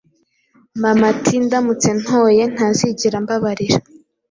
Mama ati ndamutse ntoye, ntazigera ambabarira.